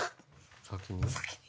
先に？